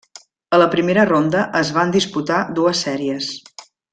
A la primera ronda es van disputar dues sèries.